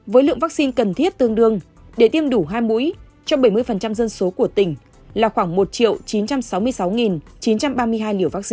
với lượng vaccine cần thiết tương đương để tiêm đủ hai mũi cho bảy mươi dân số của tỉnh